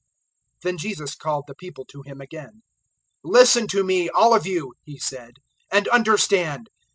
007:014 Then Jesus called the people to Him again. "Listen to me, all of you," He said, "and understand.